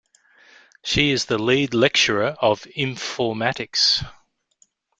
She is the lead lecturer of informatics.